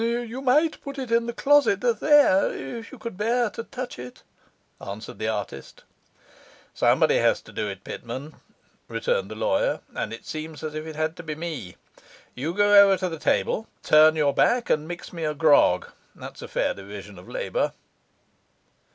'You might put it in the closet there if you could bear to touch it,' answered the artist. 'Somebody has to do it, Pitman,' returned the lawyer; 'and it seems as if it had to be me. You go over to the table, turn your back, and mix me a grog; that's a fair division of labour.